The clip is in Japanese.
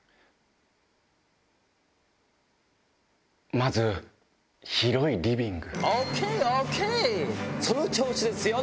まず広いリビング。